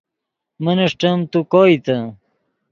من اݰٹیم تو کوئیتے